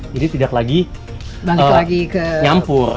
jadi tidak lagi nyampur